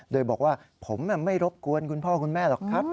โดยบอกว่าผมไม่รบกวนคุณพ่อคุณแม่หรอกครับ